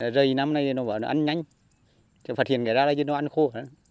rầy năm nay nó ăn nhanh phát hiện cái ra là chứ nó ăn khô